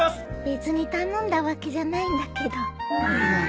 別に頼んだわけじゃないんだけど。